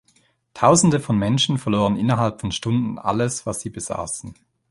Tausende von Menschen verloren innerhalb von Stunden alles, was sie besaßen.